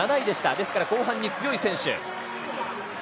ですから後半に強い選手。